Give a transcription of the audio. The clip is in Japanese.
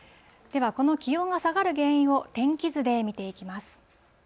では、この気温が下がる原因を天気図で見ていきます。